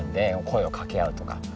声をかけ合うとか。